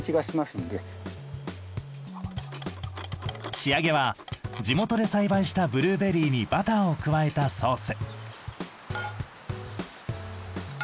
仕上げは地元で栽培したブルーベリーにバターを加えたソース。